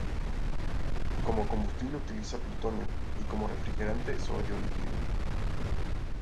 Como combustible utiliza plutonio y como refrigerante sodio líquido.